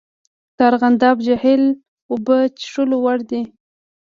د ارغنداب جهیل اوبه څښلو وړ دي؟